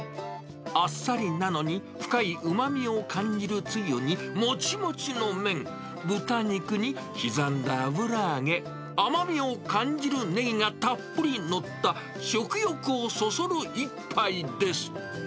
あっさりなのに、深いうまみを感じるつゆに、もちもちの麺、豚肉に、刻んだ油揚げ、甘みを感じるねぎがたっぷり載った、食欲をそそる一杯です。